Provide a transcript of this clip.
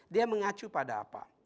dia mengacu pada apa